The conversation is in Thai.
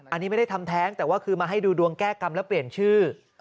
อันนี้ไม่ได้ทำแท้งแต่ว่าคือมาให้ดูดวงแก้กรรมแล้วเปลี่ยนชื่อ